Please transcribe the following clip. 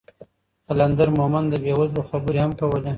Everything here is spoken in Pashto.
قلندر مومند د بې وزلو خبرې هم کولې.